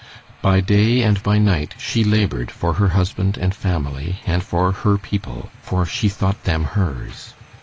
By day and by night she labored for her husband and family and for her people, for she thought them hers.